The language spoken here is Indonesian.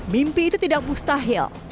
mimpi itu tidak mustahil